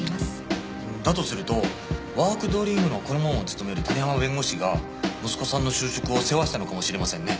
だとするとワークドリームの顧問を務める谷浜弁護士が息子さんの就職を世話したのかもしれませんね。